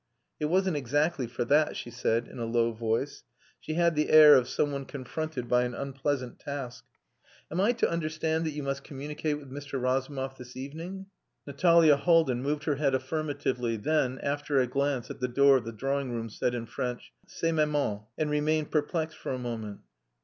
"It wasn't exactly for that," she said, in a low voice. She had the air of some one confronted by an unpleasant task. "Am I to understand that you must communicate with Mr. Razumov this evening?" Natalia Haldin moved her head affirmatively; then, after a glance at the door of the drawing room, said in French "C'est maman," and remained perplexed for a moment.